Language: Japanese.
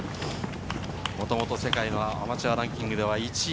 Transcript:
もともと世界のアマチュアランキングでは１位。